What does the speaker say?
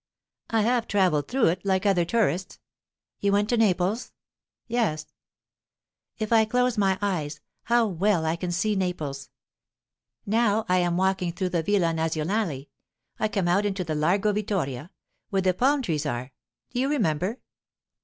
"I have travelled through it, like other tourists." "You went to Naples?" "Yes." "If I close my eyes, how well I can see Naples! Now I am walking through the Villa Nazionale. I come out into the Largo Vittoria, where the palm trees are do you remember?